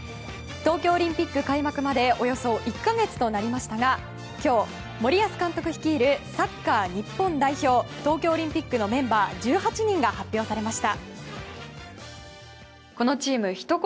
東京オリンピック開幕までおよそ１か月となりましたが今日、森保監督率いるサッカー日本代表東京オリンピックのメンバー１８人が発表されました。